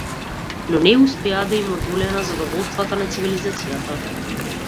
Но не успеа да им одолее на задоволствата на цивилизацијата.